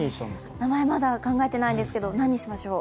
名前はまだ考えていないんですけど、何にしましょう？